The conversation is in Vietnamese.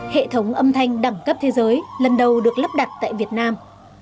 hệ thống âm thanh đẳng cấp thế giới lần đầu được lắp đặt tại việt nam